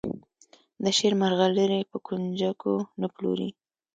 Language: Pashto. د شعر مرغلرې په کونجکو نه پلوري.